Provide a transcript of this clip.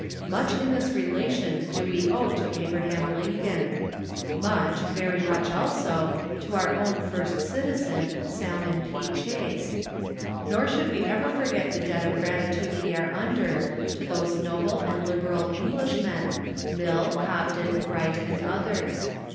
Much in this relation do we owe to Abraham Lincoln. Much, very much also, to our own first citizen, Salmon P. Chase. ISTor should we ever forget the debt of gratitude we are under to tliose noble and liberal Englishmen, Mill, Cobden, Bright and others.